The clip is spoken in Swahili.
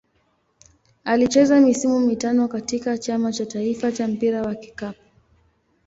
Alicheza misimu mitano katika Chama cha taifa cha mpira wa kikapu.